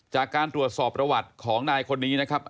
จากการตรวจสอบประวัติของนายคนนี้นะครับ